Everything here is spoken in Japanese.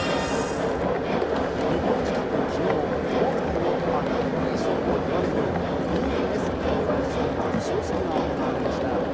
日本時間の昨日スポーツ界のアカデミー賞といわれるＥＳＰＹ賞の授賞式が行われました。